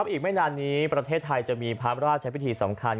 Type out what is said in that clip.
อีกไม่นานนี้ประเทศไทยจะมีพระราชพิธีสำคัญ